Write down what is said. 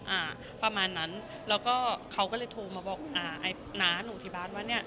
อ่าประมาณนั้นแล้วก็เขาก็เลยโทรมาบอกอ่าไอ้น้าหนูที่บ้านว่าเนี้ย